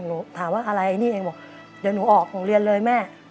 หนูถามว่าอะไรนี่เองบอกเดี๋ยวหนูออกโรงเรียนเลยแม่